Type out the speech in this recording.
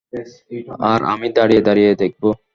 আর আমি দাঁড়িয়ে দাঁড়িয়ে দেখবো।